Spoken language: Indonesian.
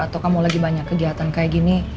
atau kamu lagi banyak kegiatan kayak gini